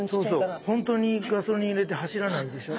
そうそう本当にガソリン入れて走らないでしょ。